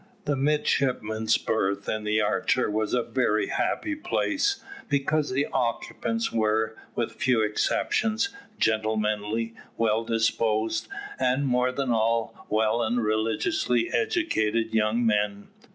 The midshipmen's berth in the Archer was a very happy place, because the occupants were, with few exceptions, gentlemanly, well disposed, and, more than all, well and religiously educated young men.